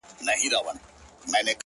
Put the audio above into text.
ستا د خــولې خـبري يــې زده كړيدي؛